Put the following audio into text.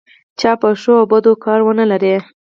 چا په ښو او بدو کار ونه لري.